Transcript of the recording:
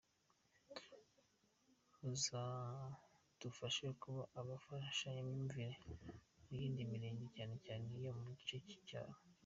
Muzadufashe kuba abafashamyumvire mu yindi mirenge, cyane cyane iyo mu gice cy’icyaro.